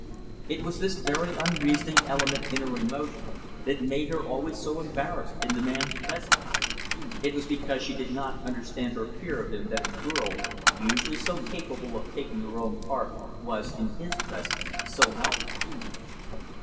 It was this very unreasoning element in her emotions that made her always so embarrassed in the man's presence. It was because she did not understand her fear of him, that the girl, usually so capable of taking her own part, was, in his presence, so helpless.